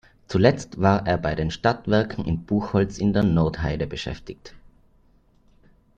Zuletzt war er bei den Stadtwerken in Buchholz in der Nordheide beschäftigt.